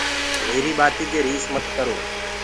ميريٚ ڀآتينٚ دي ريس مت ڪرو۔